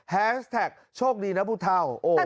แฮชแท็กโชคดีนะผู้เท่า